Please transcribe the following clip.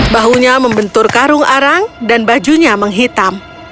bahunya membentur karung arang dan bajunya menghitam